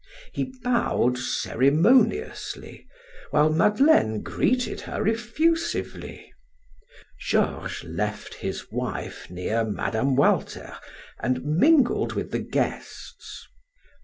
He bowed ceremoniously, while Madeleine greeted her effusively. Georges left his wife near Mme. Walter and mingled with the guests.